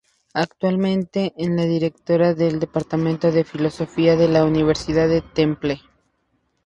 Actualmente es la Directora del Departamento de Filosofía, de la Universidad del Temple.